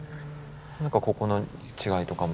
何かここの違いとかも。